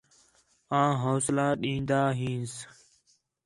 آں حوصلہ ݙین٘دا ہینس